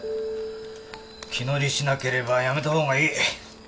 気乗りしなければやめた方がいい。